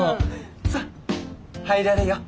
さっ入られよ。